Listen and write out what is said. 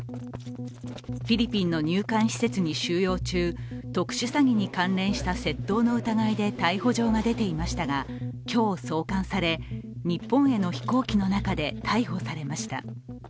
フィリピンの入管施設に収容中、特殊詐欺に関連した窃盗の疑いで逮捕状が出ていましたが、今日、送還され、日本への飛行機の中で逮捕されました。